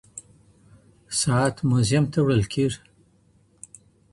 ساعت موزيم ته وړل کېږي.